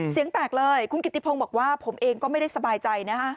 เสียงแตกเลยคุณกิติพงศ์บอกว่าผมเองก็ไม่ได้สบายใจนะฮะ